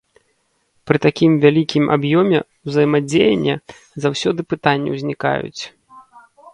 Пры такім вялікім аб'ёме ўзаемадзеяння заўсёды пытанні ўзнікаюць.